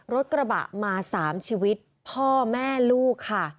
รถกระบะมา๓ชีวิตพ่อแม่ลูกค่ะ